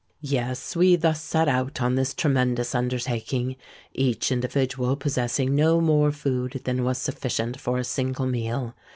"Yes—we thus set out on this tremendous undertaking, each individual possessing no more food than was sufficient for a single meal.